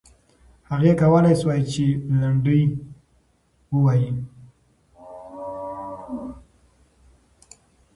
هغې کولای سوای چې لنډۍ ووایي.